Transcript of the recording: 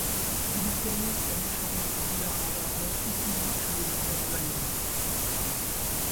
প্রতিটা শ্রেণী এবং শাখার ছাত্রীরা আলাদা আলাদা সুশৃঙ্খল সারিবদ্ধ হয়ে দাঁড়িয়ে থাকে।